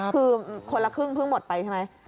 คือคนละครึ่งเพิ่งหมดไปใช่ไหม